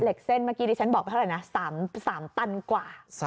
เหล็กเส้นเมื่อกี้นี่ฉันบอกเท่าไหร่นะ๓ตันกว่า